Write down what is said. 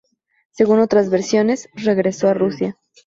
Según otras versiones, regresó a Rusia.